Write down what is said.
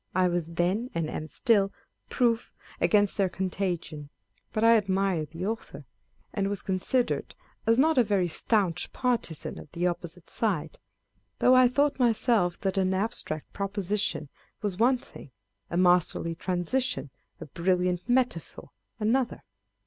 I was then, and am still, proof against their contagion ; but I admired the author, and was considered as not a very staunch partisan of the opposite side, though I thought myself that an abstract proposition was one thing â€" a masterly transition, a, brilliant metaphor, another.